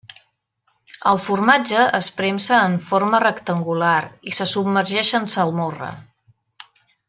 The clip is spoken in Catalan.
El formatge es premsa en forma rectangular i se submergeix en salmorra.